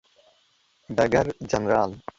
ډګر جنرال